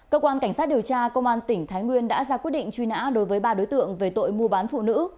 cơ quan cảnh sát điều tra công an tỉnh thái nguyên đã ra quyết định truy nã đối với ba đối tượng về tội mua bán phụ nữ